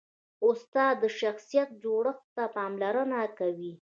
استاد د شخصیت جوړښت ته پاملرنه کوي.